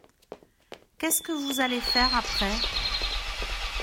Qu’est-ce que vous allez faire après ?